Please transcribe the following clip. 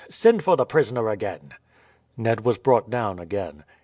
Send for the prisoner again." Ned was brought down again.